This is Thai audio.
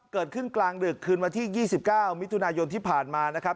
เกิดขึ้นกลางดึกคืนวันที่ยี่สิบเก้าวิทยุนายนที่ผ่านมานะครับ